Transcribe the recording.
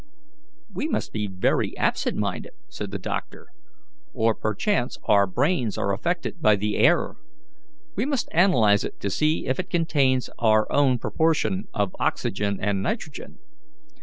"We must be very absent minded," said the doctor, "or perchance our brains are affected by the air. We must analyze it to see if it contains our own proportion of oxygen and nitrogen.